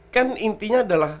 kan intinya adalah